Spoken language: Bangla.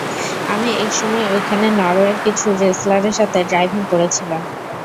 আমি এক সময় ঐখানে নরওয়ের কিছু রেসলারের সাথে ড্রাইভিং করেছিলাম।